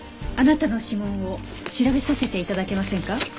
あなたの指紋を調べさせて頂けませんか？